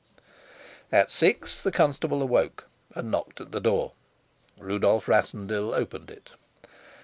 At six the constable awoke and knocked at the door; Rudolf Rassendyll opened it.